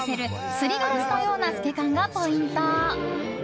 すりガラスのような透け感がポイント。